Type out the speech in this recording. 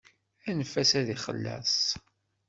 Anef-as ad ixelleṣ.